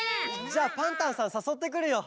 じゃあパンタンさんさそってくるよ。